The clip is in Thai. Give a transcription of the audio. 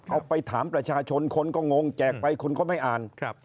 เอาไปถามประชาชนคนก็งงแจกไปคนก็ไม่อ่าน